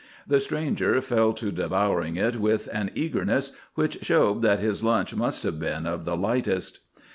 The stranger fell to devouring it with an eagerness which showed that his lunch must have been of the lightest.